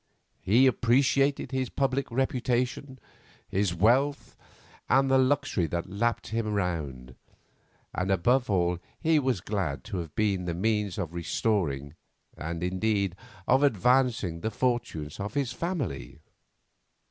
He appreciated his public reputation, his wealth, and the luxury that lapped him round, and above all he was glad to have been the means of restoring, and, indeed, of advancing the fortunes of his family.